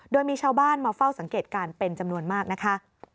โดยมีชาวบ้านมาเฝ้าสังเกตการณ์เป็นจำนวนมากนะคะ